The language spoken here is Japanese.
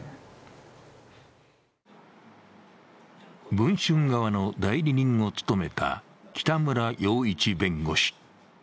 文春側の代理人を務めた喜田村洋一弁護士。